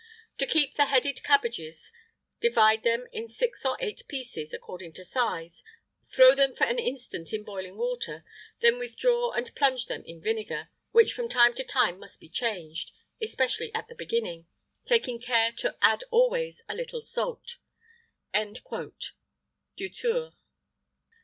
To keep the headed cabbages, divide them in six or eight pieces, according to size, throw them for an instant in boiling water, then withdraw and plunge them in vinegar, which from time to time must be changed, especially at the beginning, taking care to add always a little salt." DUTOUR.